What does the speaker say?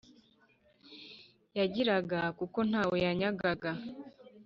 yagiraga kuko ngo ntawe yanyagaga